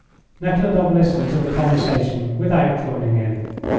Nekhludoff listened to the conversation without joining in.